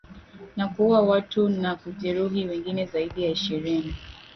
na kuua watu na kujeruhi wengine zaidi ya ishirini